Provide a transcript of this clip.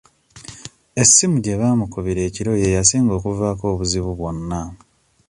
Essimu gye baamukubira ekiro ye yasinga okuvaako obuzibu bwonna.